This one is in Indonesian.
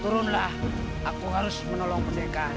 turunlah aku harus menolong merdeka